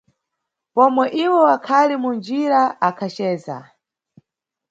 Pomwe iwo akhali munjira, akhaceza.